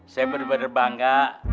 saya benar benar bangga